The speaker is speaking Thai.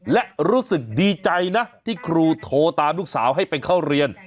และรู้สึกดีใจนะที่ครูโทรตามลูกสาวให้ไปเข้าเรียน